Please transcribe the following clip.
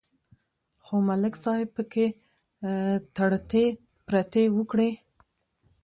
خو ملک صاحب پکې ټرتې پرتې وکړې